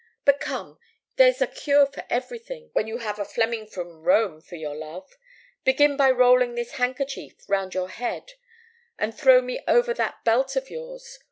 But come, there's a cure for everything when you have a Fleming from Rome* for your love. Begin by rolling this handkerchief round your head, and throw me over that belt of yours.